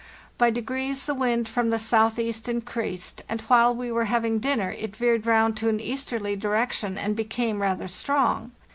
By degrees the wind from the south east increased, and while we were having dinner it veered round to an easterly direction and became rather strong.